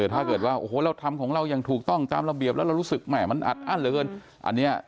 ถ้าเกิดว่าทำของเรายังถูกต้องตามระเบียบแล้วเรารู้สึกอัดอั้นเหลือเกิน